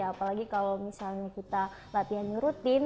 apalagi kalau misalnya kita latihannya rutin